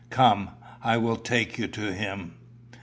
Come, I will take you to him."